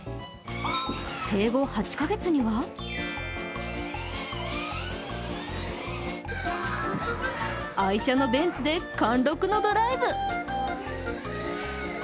生後８カ月には愛車のベンツで貫禄のドライブ。